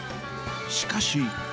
しかし。